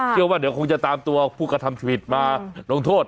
ว่าเดี๋ยวคงจะตามตัวผู้กระทำชีวิตมาลงโทษ